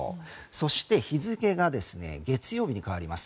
そして、日付が月曜日に変わります。